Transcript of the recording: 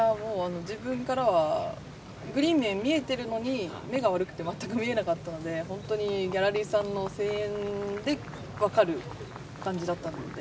自分からはグリーン面が見えているのに目が悪くて全く見えなかったので本当にギャラリーさんの声援でわかる感じだったので。